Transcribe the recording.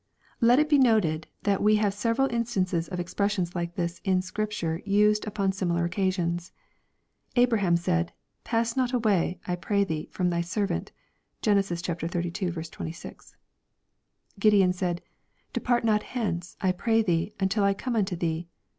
] Let it be noted that we have several instimces of expressions like this in Scripture used upon similar occasions. Abraham said, "Pass not away, I pray thee, from thy servant" (G en. xxxii. 26.) Gideon said, " Depart not hence, I pray thee, until I come unto thee."